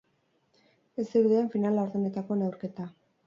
Ez zirudien final-laurdenetako neurketa.